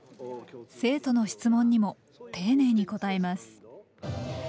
生徒の質問にも丁寧に答えます。